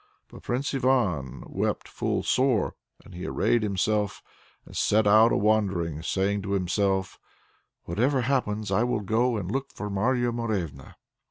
But Prince Ivan wept full sore, and he arrayed himself and set out a wandering, saying to himself: "Whatever happens, I will go and look for Marya Morevna!"